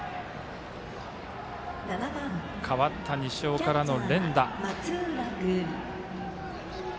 代わった西尾からの連打。